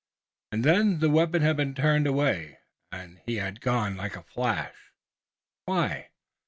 And then the weapon had been turned away and he had gone like a flash! Why?